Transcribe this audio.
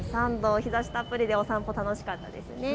日ざしたっぷりでお散歩楽しかったですね。